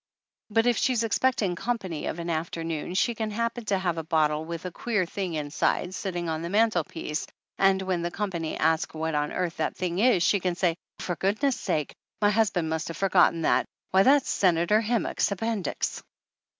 But if she's expecting company of an afternoon she can happen to have a bottle with a queer thing inside setting on the mantelpiece and when the company asks what on earth that thing is she can say, "For goodness* sake! My husband must have forgotten that ! Why that's Senator Himuck's appendix!"